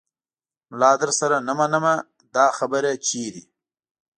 ملا درسره نه منمه دا خبره چیرې